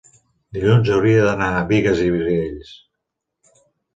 dilluns hauria d'anar a Bigues i Riells.